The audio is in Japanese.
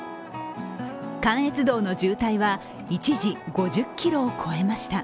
関越道の渋滞は一時５０キロを超えました。